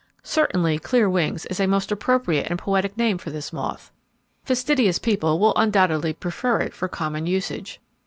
Certainly 'clear wings' is a most appropriate and poetic name for this moth. Fastidious people will undoubtedly prefer it for common usage.